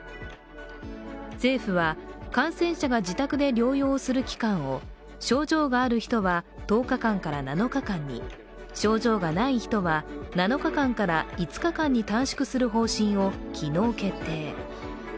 政府は、感染者が自宅で療養をする期間を症状がある人は１０日間から７日間に、症状がない人は７日間から５日間に短縮する方針を昨日決定。